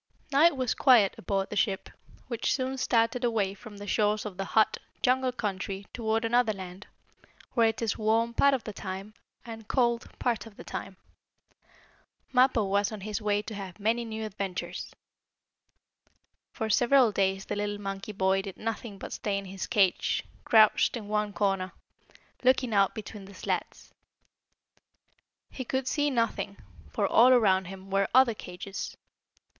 Now it was quiet aboard the ship, which soon started away from the shores of the hot, jungle country toward another land, where it is warm part of the time and cold part of the time. Mappo was on his way to have many new adventures. For several days the little monkey boy did nothing but stay in his cage, crouched in one corner, looking out between the slats. He could see nothing, for, all around him, were other cages.